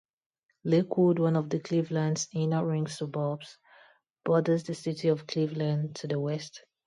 Lakewood, one of Cleveland's inner-ring suburbs, borders the city of Cleveland to the west.